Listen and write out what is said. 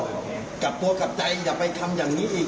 กลับตัวกลับใจอย่าไปทำอย่างนี้อีก